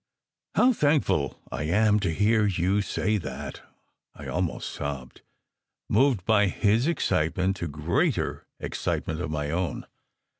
"How thankful I am to hear you say that!" I almost sobbed, moved by his excitement to greater excitement of my own.